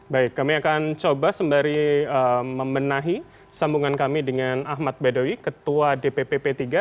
baik kami akan coba sembari membenahi sambungan kami dengan ahmad badowi ketua dpp p tiga